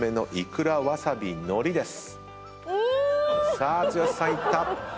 さあ剛さんいった。